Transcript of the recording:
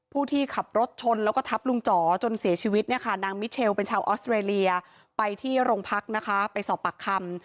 ที่ขับรถชนแล้วก็ทับลุงจ๋อจนเสียชีวิตเนี่ยค่ะนางมิเชลเป็นชาวออสเตรเลียไปที่โรงพักนะคะไปสอบปากคำ